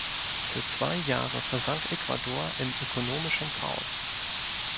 Für zwei Jahre versank Ecuador in ökonomischem Chaos.